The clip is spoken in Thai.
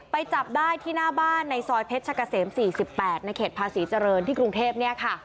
ไปจับได้ที่หน้าบ้านในซอยเพชรชะกะเสมสี่สิบแปดในเขตพาสีเจริญที่กรุงเทพเนี้ยค่ะ